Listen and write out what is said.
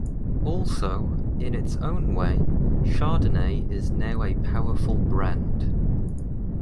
Also, in its own way, Chardonnay is now a powerful brand.